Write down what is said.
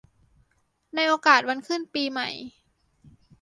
ในโอกาสวันขึ้นปีใหม่